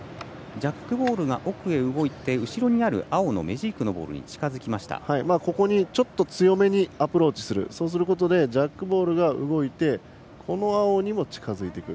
ジャックボールが奥へと動いて後ろにある青のメジークのボールにここに強めにアプローチすることでジャックボールが動いてこの青にも近づいてくる。